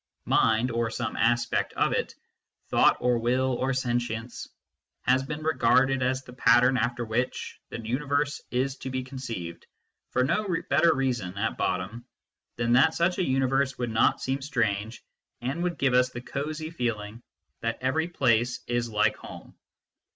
Mind, or some aspect of it thought or will or sentience has been regarded as the pattern after which the universe is to be con ceived, for no better reason, at bottom, than that such a universe would not seem strange, and would give us the cosy feeling that every place is like home.